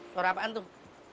suara apaan tuh